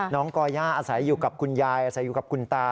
ก่อย่าอาศัยอยู่กับคุณยายอาศัยอยู่กับคุณตา